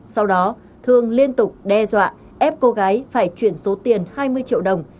sau đó thương liên tục đe dọa ép cô gái phải chuyển số tiền hai mươi triệu đồng